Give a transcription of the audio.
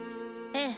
ええ。